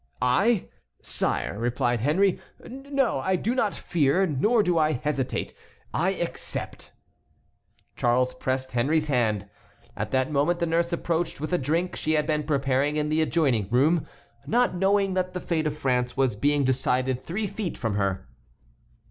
"I! sire," replied Henry; "no, I do not fear, nor do I hesitate. I accept." Charles pressed Henry's hand. At that moment the nurse approached with a drink she had been preparing in the adjoining room, not knowing that the fate of France was being decided three feet from her.